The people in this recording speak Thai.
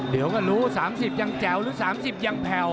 เดี๋ยวก็รู้๓๐แต่ว่ายังแจ๋วหรือ๓๐แต่ว่ายังแผ่ว